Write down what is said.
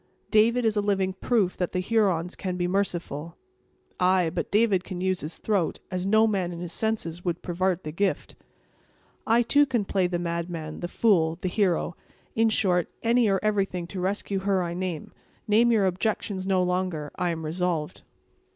"David is a living proof that the Hurons can be merciful." "Ay, but David can use his throat, as no man in his senses would pervart the gift." "I too can play the madman, the fool, the hero; in short, any or everything to rescue her I love. Name your objections no longer: I am resolved."